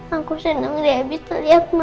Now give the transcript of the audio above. aku seneng dihabis terlihat mama